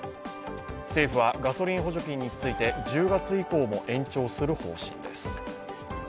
政府はガソリン補助金について１０月以降も延長する方針です。